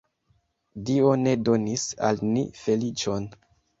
Dio ne donis al ni feliĉon!